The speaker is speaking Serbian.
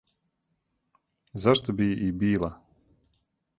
Зашто би и била?